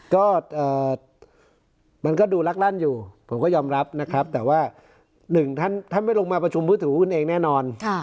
ก็มันก็ดูลักลั่นอยู่ผมก็ยอมรับนะครับแต่ว่าหนึ่งท่านไม่ลงมาประชุมผู้ถือหุ้นเองแน่นอน